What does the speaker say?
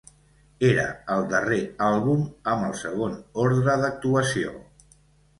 Era el darrer àlbum amb el segon ordre d'actuació.